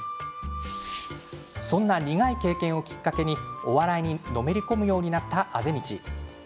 そんな苦い経験をきっかけにお笑いのめり込むようになった畦道。